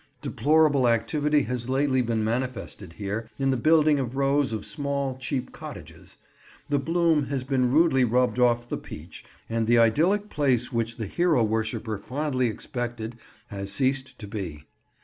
Deplorable activity has lately been manifested here, in the building of rows of small, cheap cottages. The bloom has been rudely rubbed off the peach, and the idyllic place which the hero worshipper fondly expected has ceased to be.